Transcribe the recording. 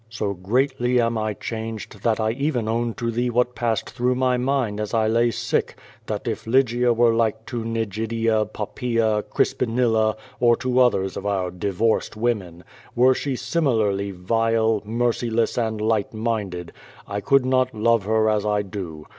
So greatly am I changed that I even own to thee what passe<l through my mind as I lay sick; that if Lygia were like to Nigidia, Poppaen, ('Hspinilla or to others of our divorced women, were she simi larly vile, merciless and light minded, I could not love her as I do.